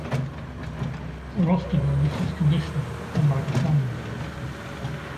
A roster bonus is conditional, unlike a signing bonus.